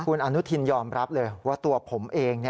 คุณอนุทินยอมรับเลยว่าตัวผมเอง